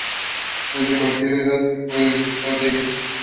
Teams from the same national association were not drawn into the same group.